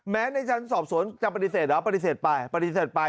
ในชั้นสอบสวนจะปฏิเสธเหรอปฏิเสธไปปฏิเสธไป